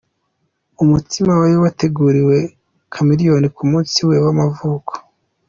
Umutsima wari wateguriwe Chmeleone ku munsi we w'amavuko.